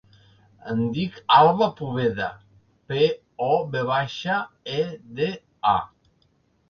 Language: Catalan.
Em dic Alba Poveda: pe, o, ve baixa, e, de, a.